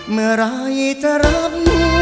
เมื่อไหร่จะรับ